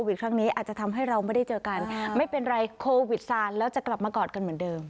ให้นางต่างหน้าก็เป็นก่อสัมพนาคัน